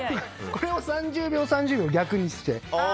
これを３０秒、３０秒逆にして。